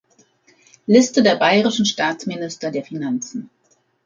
Liste der Bayerischen Staatsminister der Finanzen